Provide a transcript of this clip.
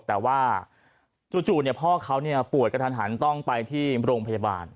แต่ว่าจู่พ่อเขาป่วยกระทันหันต้องไปที่โรงพยาบาล